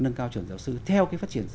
nâng cao trưởng giáo sư theo cái phát triển